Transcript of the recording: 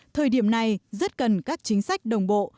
thời điểm này rất cần các chính sách đồng bộ